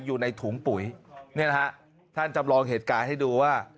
อยู่ในถุงปุ๋ยเนี่ยนะฮะท่านจำลองเหตุการณ์ให้ดูว่า